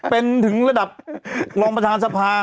เป็นถึงระดับรองประธานสภา